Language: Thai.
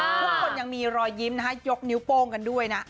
ยังมีรอยยิ้มนะฮะยกนิ้วโป้งกันด้วยนะ